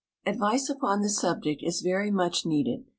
Advice upon this subject is very much needed.